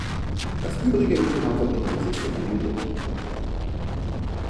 Das übrige Inventar verblieb im Besitz der Familie.